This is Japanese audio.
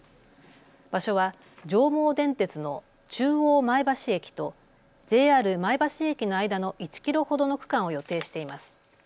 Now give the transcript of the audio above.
場所は上毛電鉄の中央前橋駅とＪＲ前橋駅の間の１キロほどの区間を予定しています。